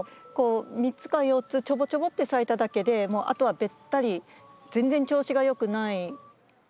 ３つか４つちょぼちょぼって咲いただけであとはべったり全然調子が良くない。